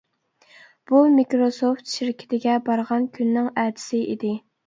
بۇ مىكروسوفت شىركىتىگە بارغان كۈننىڭ ئەتىسى ئىدى.